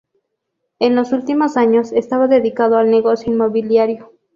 En los últimos años estaba dedicado al negocio inmobiliario.